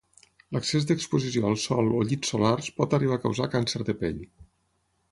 L'excés d'exposició al sol o llits solars pot arribar a causar càncer de pell.